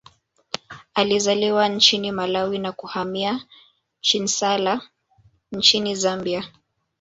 Alizaliwa nchini Malawi na kuhamia Chinsali nchini Zambia